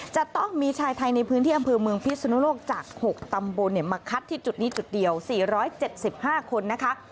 จะต้องมีชายไทยในพื้นที่อำเภอเมืองพิศนุโลกจาก๖ตำบลมาคัดที่จุดนี้จุดเดียว๔๗๕คนนะคะ